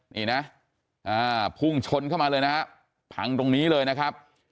นี่นะภูมิชนเข้ามาเลยนะครับผังตรงนี้เลยนะครับ